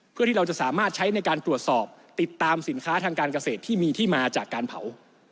เพื่อที่เราจะสามารถใช้ในการตรวจสอบติดตามสินค้าทางการเกษตรที่มีที่มาจากการเผา